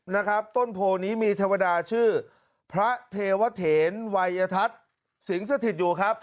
นะครับต้นโพนี้มีเทวดาชื่อพระเทวเถนวัยทัศน์สิงสถิตอยู่ครับ